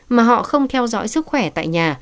mà họ không theo dõi sức khỏe tại nhà